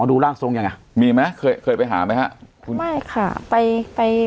ดูร่างทรงยังไงมีมั้ยเคยเคยไปหามั้ยค่ะไม่ค่ะไปไป